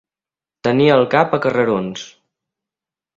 Tenir el cap a carrerons.